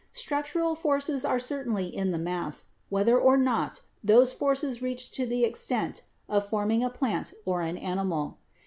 Struc tural forces are certainly in the mass, whether or not those forces reach to the extent of forming a plant or an animal.